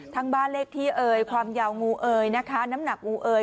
บ้านเลขที่เอ่ยความยาวงูเอ๋ยนะคะน้ำหนักงูเอย